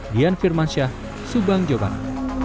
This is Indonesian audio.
dian firmansyah subang jogja